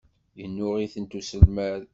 Yennuɣ-itent uselmad.